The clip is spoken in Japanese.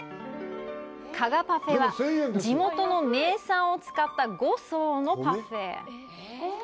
加賀パフェは地元の名産を使った５層のパフェ。